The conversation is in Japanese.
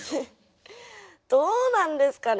どうなんですかね。